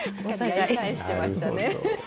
やり返してましたね。